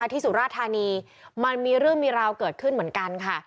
สุราธานีมันมีเรื่องมีราวเกิดขึ้นเหมือนกันค่ะ